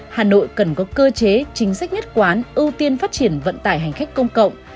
hà nội cần có cơ chế chính sách nhất quán ưu tiên phát triển vận tải hành khách công cộng